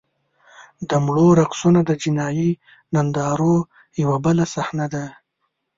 د مړو رقصونه د جنایي نندارو یوه بله صحنه ده.